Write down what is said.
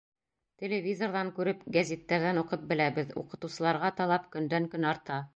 — Телевизорҙан күреп, гәзиттәрҙән уҡып беләбеҙ: уҡытыусыларға талап көндән-көн арта.